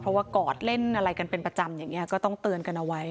เพราะว่ากอดเล่นอะไรกันเป็นประจำอย่างนี้ก็ต้องเตือนกันเอาไว้